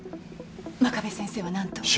真壁先生は何と？